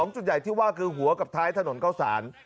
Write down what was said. จุดใหญ่ที่ว่าคือหัวกับท้ายถนนเข้าสาร